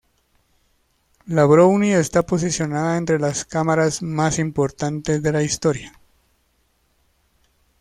La Brownie está posicionada entre las cámaras más importantes de la historia.